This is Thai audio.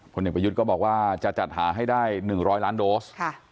เด็กประยุทธ์ก็บอกว่าจะจัดหาให้ได้๑๐๐ล้านโดส